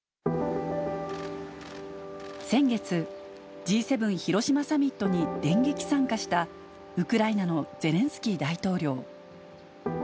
先月、Ｇ７広島サミットに電撃参加したウクライナのゼレンスキー大統領。